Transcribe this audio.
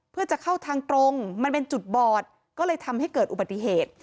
เพื่อจะเข้าทางตรงมันเป็นจุดบอดก็เลยทำให้เกิดอุบัติเหตุ